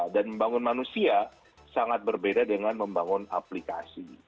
dan membangun manusia sangat berbeda dengan membangun aplikasi